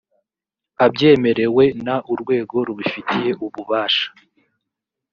abyemerewe n urwego rubifitiye ububasha